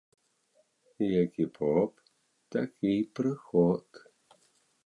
Які поп, такі й прыход